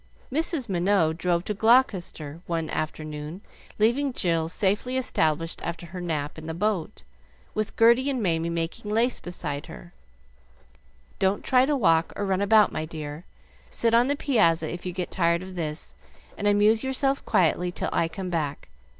Mrs. Minot drove to Gloucester one afternoon, leaving Jill safely established after her nap in the boat, with Gerty and Mamie making lace beside her. "Don't try to walk or run about, my dear. Sit on the piazza if you get tired of this, and amuse yourself quietly till I come back.